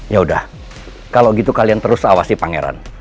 yaudah kalau gitu kalian terus awasi pangeran